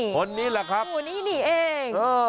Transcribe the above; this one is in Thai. ผสมนิตคร้ายนี่เอง